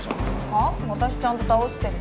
あっ！